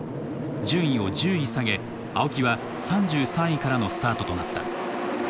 順位を１０位下げ青木は３３位からのスタートとなった。